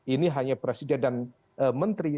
ini hanya presiden dan menteri